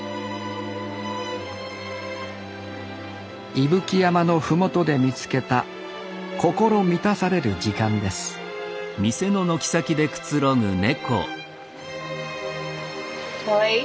伊吹山の麓で見つけた心満たされる時間ですかわいい？